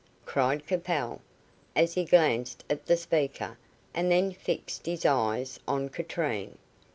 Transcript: cried Capel, as he glanced at the speaker, and then fixed his eyes on Katrine.